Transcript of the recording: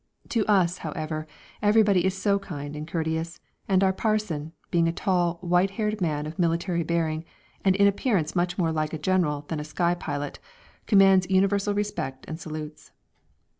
To us, however, everybody is so kind and courteous, and our parson, being a tall, white haired man of military bearing, and in appearance much more like a general than a sky pilot, commands universal respect and salutes.